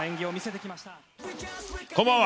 こんばんは。